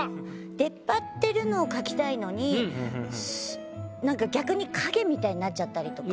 出っ張ってるのを描きたいのになんか逆に影みたいになっちゃったりとか。